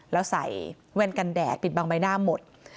แล้วใส่แว่นกันแดดปิดบังใบหน้าหมด